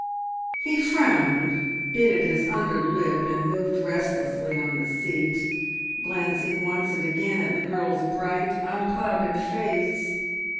He frowned, bit at his under lip, and moved restlessly on the seat, glancing once and again at the girl's bright, unclouded face.